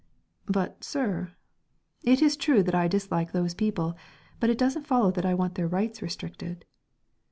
"But, sir...." "It is true that I dislike those people, but it doesn't follow that I want their rights restricted...."